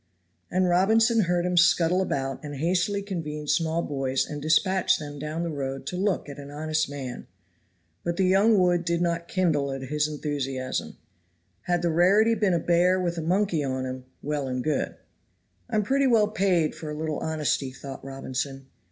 And Robinson heard him scuttle about and hastily convene small boys and dispatch them down the road to look at an honest man. But the young wood did not kindle at his enthusiasm. Had the rarity been a bear with a monkey on him, well and good. "I'm pretty well paid for a little honesty," thought Robinson.